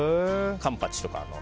カンパチとか。